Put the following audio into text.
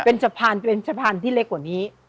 เป็นสะพานเป็นสะพานที่เล็กกว่านี้